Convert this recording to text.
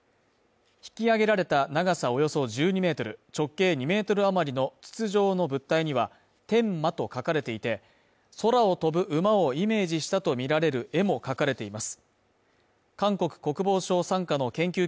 引き揚げられた長さおよそ１２ｍ、直径２ｍ余りの筒状の物体には天馬と書かれていて、空を飛ぶ馬をイメージしたとみられる絵も描かれています。